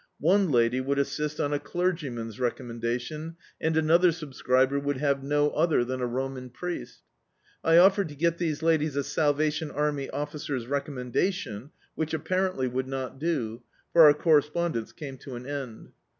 One lady would assist on a clergyman's recommendation, and another subscriber would have no other than a Roman priesL I offered to get these ladies a Sal vatiffli Army Officer's recommendation, which, ap parently, would not do, for our correspondence came to an end.